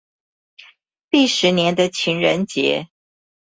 第十年的情人節